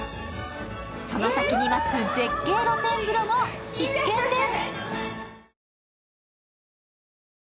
その先に待つ絶景露天風呂も必見です！